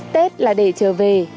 tết là để trở về